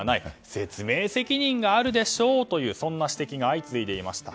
説明責任があるでしょという指摘が相次いでいました。